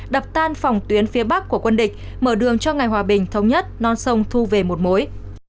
đập tan phòng tuyến phía bắc của quân địch mở đường cho ngày hòa bình thống nhất non sông thu về một mối